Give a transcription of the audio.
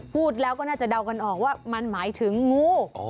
พูดแล้วก็น่าจะเดากันออกว่ามันหมายถึงงู